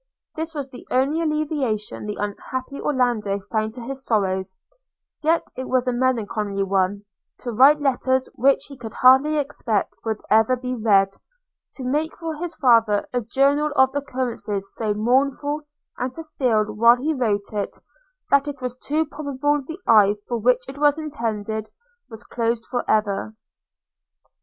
This was the only alleviation the unhappy Orlando found to his sorrows; yet it was a melancholy one, to write letters which he could hardly expect would ever be read, to make for his father a journal of occurrences so mournful, and to feel, while he wrote it, that it was too probable the eye for which it was intended was closed for ever.